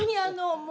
もう。